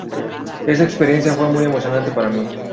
Esa experiencia fue muy emocionante para mí.